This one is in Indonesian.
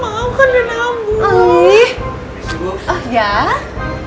maaf kan udah nambuh